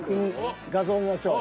画像見ましょう。